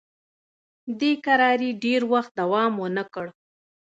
دې کراري ډېر وخت دوام ونه کړ.